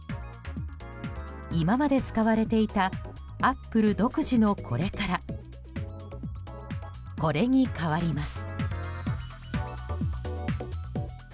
今まで使われていたアップル独自のこれからこれに変わります。